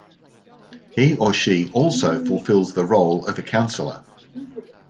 He or she also fulfills the role of a counselor.